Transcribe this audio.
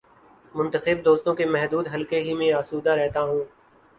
منتخب دوستوں کے محدود حلقے ہی میں آسودہ رہتا ہوں۔